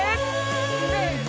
せの！